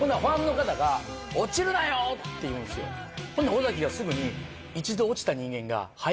ほんなら尾崎がすぐに。